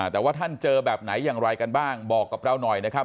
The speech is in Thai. แต่ว่าท่านเจอแบบไหนอย่างไรกันบ้างบอกกับเราหน่อยนะครับ